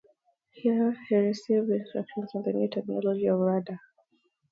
Here he received instruction on the new technology of radar.